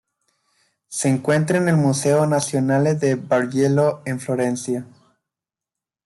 Se encuentra en el Museo Nazionale del Bargello en Florencia.